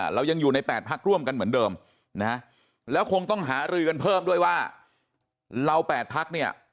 เรายังอยู่ใน๘พักร่วมกันเหมือนเดิมนะแล้วคงต้องหารือกันเพิ่มด้วยว่าเรา๘พักเนี่ย